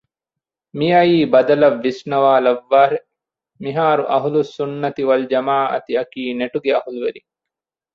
މިއައި ބަދަލަށް ވިސްނަވާލައްވާށެވެ! މިހާރު އަހުލުއްސުންނަތި ވަލްޖަމާޢަތިއަކީ ނެޓްގެ އަހުލުވެރިން